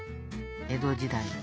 江戸時代。